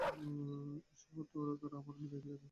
এই শহরটা ওরা আর আমরা মিলে বানিয়েছি!